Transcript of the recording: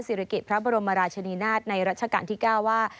ศิริกิจพระบรมราชนีนาฏในรัชกาลที่๙ว่า